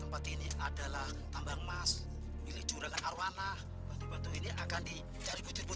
jam banget keluarganya itu